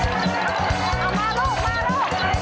เอ้าเรามา